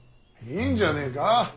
いいんじゃねえか。